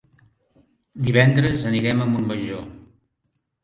Divendres anirem a Montmajor.